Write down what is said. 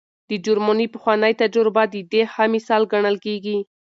د جرمني پخوانۍ تجربه د دې ښه مثال ګڼل کېږي.